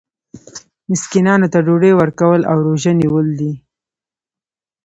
مسکینانو ته ډوډۍ ورکول او روژه نیول دي.